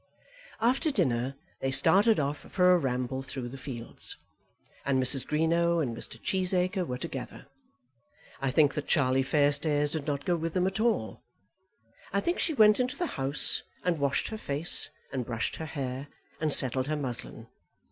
After dinner they started off for a ramble through the fields, and Mrs. Greenow and Mr. Cheesacre were together. I think that Charlie Fairstairs did not go with them at all. I think she went into the house and washed her face, and brushed her hair, and settled her muslin.